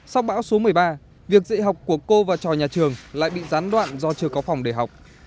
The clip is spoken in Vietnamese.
sau bão số một mươi ba việc dạy học của cô và trò nhà trường lại bị gián đoạn do chưa có phòng để học